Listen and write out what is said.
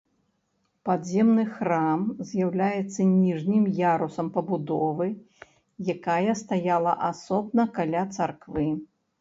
Падземны храм з'яўляецца ніжнім ярусам пабудовы, якая стаяла асобна каля царквы.